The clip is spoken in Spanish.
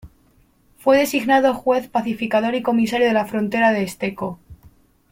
Fue designado juez pacificador y comisario de la frontera de Esteco.